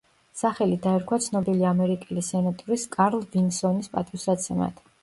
სახელი დაერქვა ცნობილი ამერიკელი სენატორის კარლ ვინსონის პატივსაცემად.